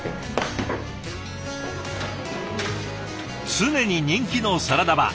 常に人気のサラダバー。